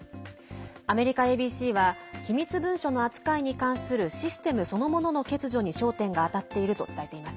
アメリカＡＢＣは機密文書の扱いに関するシステムそのものの欠如に焦点が当たっていると伝えています。